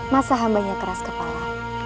masa hambanya keras kepala